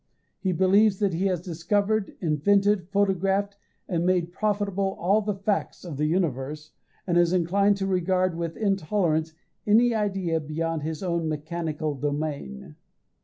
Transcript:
He believes that he has discovered, invented, photographed and made profitable all the "facts" of the universe, and is inclined to regard with intolerance any idea beyond his own mechanical domain.